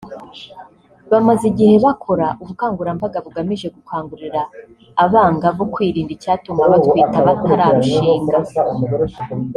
bamaze igihe bakora ubukangurambaga bugamije gukangurira abangavu kwirinda icyatuma batwita batararushinga